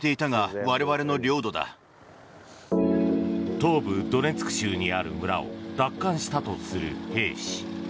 東部ドネツク州にある村を奪還したとする兵士。